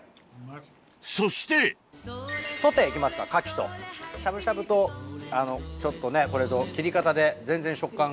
そしてソテー行きますか牡蠣としゃぶしゃぶとこれと切り方で全然食感が。